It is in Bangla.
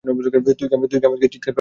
তুই কি আমাকে চিৎকার করাতে চাস?